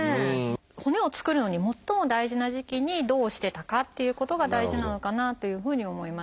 骨を作るのに最も大事な時期にどうしてたかっていうことが大事なのかなというふうに思います。